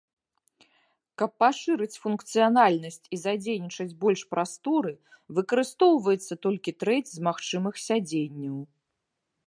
Каб пашырыць функцыянальнасць і задзейнічаць больш прасторы, выкарыстоўваецца толькі трэць з магчымых сядзенняў.